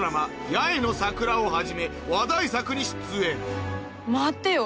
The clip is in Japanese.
『八重の桜』をはじめ話題作に出演待ってよ！